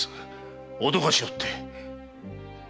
おどかしおって！